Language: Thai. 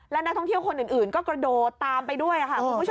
และนักท่องเที่ยวคนอื่นก็กระโดดตามไปด้วยค่ะคุณผู้ชม